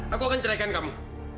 aku akan ceraikan kamu